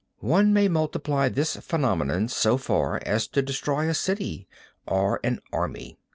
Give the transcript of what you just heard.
One may multiply this phenomenon so far as to destroy a city or an army."